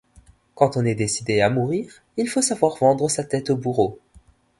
Quand on est décidé à mourir, il faut savoir vendre sa tête au bourreau.